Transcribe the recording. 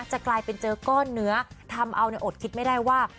จะกลายเป็นเจอก้อนเนื้อทำเอาอดคิดไม่ได้ว่า